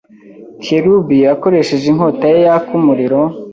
Kerubi akoresheje inkota ye yaka umuriro